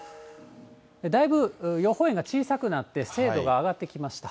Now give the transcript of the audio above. だいぶ予報円が小さくなって、精度が上がってきました。